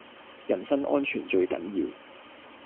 人身安全最緊要